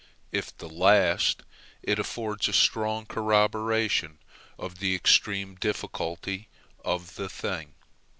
If the last, it affords a strong corroboration of the extreme difficulty of the thing.